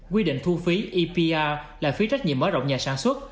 quy định thu phí epa là phí trách nhiệm mở rộng nhà sản xuất